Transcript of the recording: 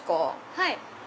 はい。